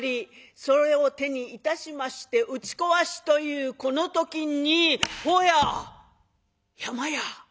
それを手にいたしまして打ち壊しというこの時に「ほうや山や！